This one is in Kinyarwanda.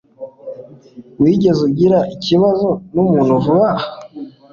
Wigeze ugirana ikibazo numuntu vuba aha?